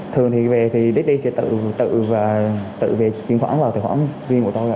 thường thì về thì daddy sẽ tự về kiếm khoản vào khoản riêng của tôi